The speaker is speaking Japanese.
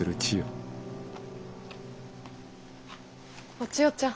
お千代ちゃん。